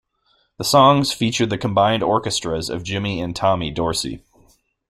The songs featured the combined orchestras of Jimmy and Tommy Dorsey.